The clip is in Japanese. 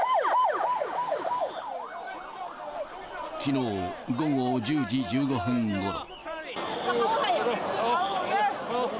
きのう午後１０時１５分ごろ。